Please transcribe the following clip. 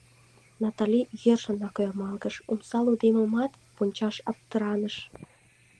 — Натали йӧршынак ӧрмалгыш, омса лондемымат вончаш аптыраныш.